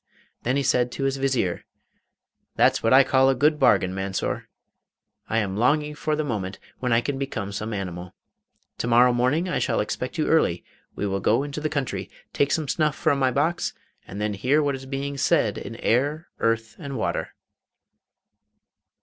Then he said to his Vizier, 'That's what I call a good bargain, Mansor. I am longing for the moment when I can become some animal. To morrow morning I shall expect you early; we will go into the country, take some snuff from my box, and then hear what is being said in air, earth, and water.